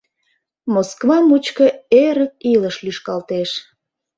Москва мучко Эрык илыш лӱшкалтеш.